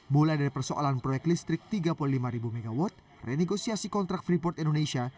mulai dari persoalan proyek listrik tiga puluh lima mw renegosiasi kontrak freeport indonesia